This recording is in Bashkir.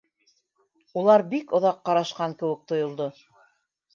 Улар бик оҙаҡ ҡарашҡан кеүек тойолдо.